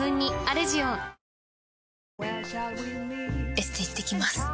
エステ行ってきます。